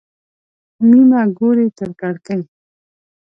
مېمه ګوري تر کړکۍ.